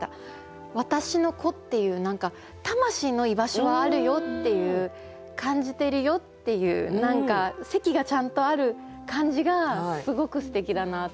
「わたしの子」っていう魂の居場所はあるよっていう感じてるよっていう何か席がちゃんとある感じがすごくすてきだなと思って。